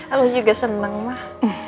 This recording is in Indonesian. aku juga senang mbak